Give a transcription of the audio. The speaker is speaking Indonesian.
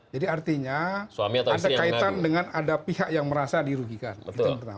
jadi artinya ada kaitan dengan ada pihak yang merasa dirugikan